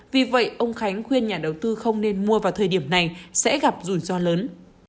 vì vậy ông khánh khuyên nhà đầu tư không nên mua vào thời điểm này sẽ gặp rủi ro lớn